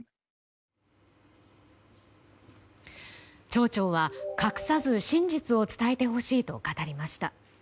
町長は隠さず真実を伝えてほしいと語りました。